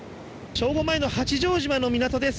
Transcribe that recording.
正午前の八丈島の港です。